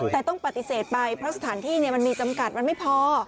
แต่ต้องปฏิเสธไปเพราะสถานที่มันมีจำกัดมันไม่พอ